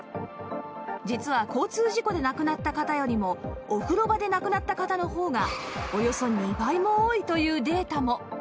実は交通事故で亡くなった方よりもお風呂場で亡くなった方のほうがおよそ２倍も多いというデータも